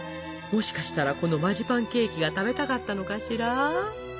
もしかしたらこのマジパンケーキが食べたかったのかしら？